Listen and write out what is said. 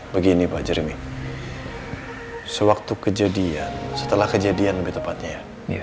begini pak jeremy sewaktu kejadian setelah kejadian lebih tepatnya ya